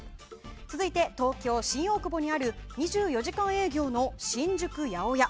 続いて東京・新大久保にある２４時間営業の新宿八百屋。